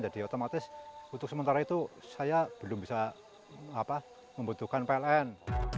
jadi otomatis untuk sementara itu saya belum bisa membutuhkan pln